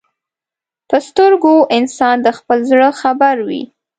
په سترګو انسان د خپل زړه خبر وي